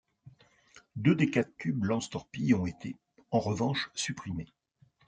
Deux des quatre tubes lance-torpilles ont été, en revanche, supprimés.